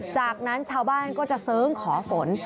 จากนั้นชาวบ้านก็จะเสริงขอฝน